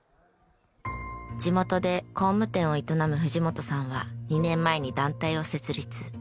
地元で工務店を営む藤本さんは２年前に団体を設立。